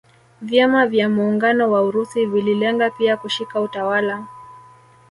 Vyama vya muungano wa Urusi vililenga pia kushika utawala